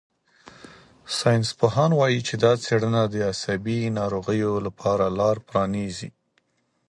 ساینسپوهان وايي چې دا څېړنه د عصبي ناروغیو لپاره لار پرانیزي.